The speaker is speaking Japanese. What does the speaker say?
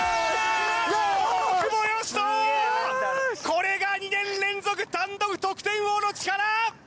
これが２年連続単独得点王の力！